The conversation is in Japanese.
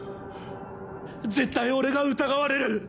絶対俺が疑われる！